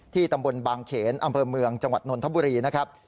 ตำบลบางเขนอำเภอเมืองจังหวัดนนทบุรีนะครับ